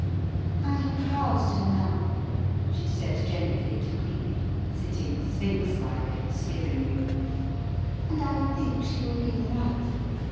"I have roused her now," she said gently to Cleek, sitting sphinx like at the steering wheel, "and I think she will be all right.